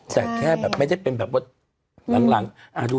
แต่แค่แบบไม่ได้เป็นแบบว่า